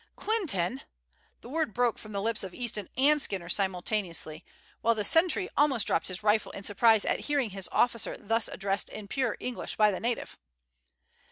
"Clinton!" The word broke from the lips of Easton and Skinner simultaneously, while the sentry almost dropped his rifle in surprise at hearing his officer thus addressed in pure English by the native.